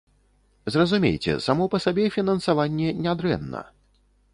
Зразумейце, само па сабе фінансаванне не дрэнна.